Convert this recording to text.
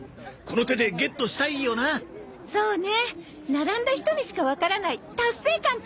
並んだ人にしかわからない達成感ってあるわよね。